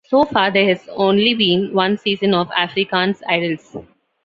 So far there has only been one season of "Afrikaans Idols".